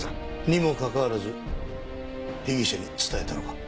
にもかかわらず被疑者に伝えたのか？